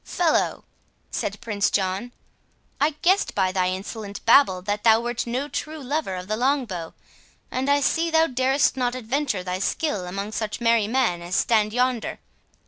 "Fellow," said Prince John, "I guessed by thy insolent babble that thou wert no true lover of the longbow, and I see thou darest not adventure thy skill among such merry men as stand yonder."